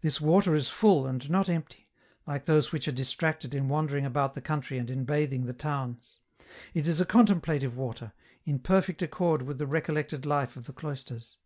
This water is full, and not empty, like those which are distracted in wandering about the country and in bathing the towns. It is a contemplative water, in perfect accord with the recollected life of the cloisters.